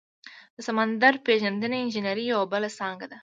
د سمندر پیژندنې انجنیری یوه بله څانګه ده.